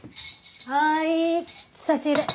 はい差し入れ！